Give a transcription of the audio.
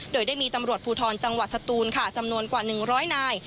โดยได้มีตำรวจภูทรจังหวัดสตูนค่ะจำนวนกว่า๑๐๐นาย